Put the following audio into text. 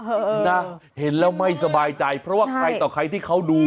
นะเห็นแล้วไม่สบายใจเพราะว่าใครต่อใครที่เขาดู